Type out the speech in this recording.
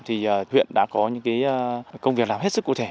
thì huyện đã có những công việc làm hết sức cụ thể